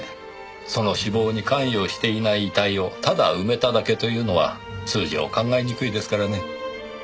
その死亡に関与していない遺体をただ埋めただけというのは通常考えにくいですからね。